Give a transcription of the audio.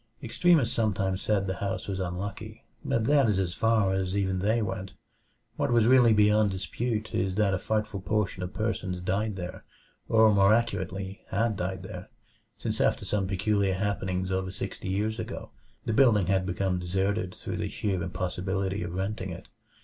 Extremists sometimes said the house was "unlucky," but that is as far as even they went. What was really beyond dispute is that a frightful proportion of persons died there; or more accurately, had died there, since after some peculiar happenings over sixty years ago the building had become deserted through the sheer impossibility of renting it.